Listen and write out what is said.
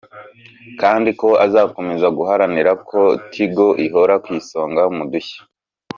kandi ko azakomeza guharanira ko Tigo ihora ku isonga mu dushya